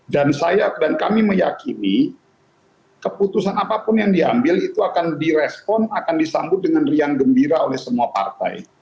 dan saya dan kami meyakini keputusan apapun yang diambil itu akan direspon akan disambut dengan riang gembira oleh semua partai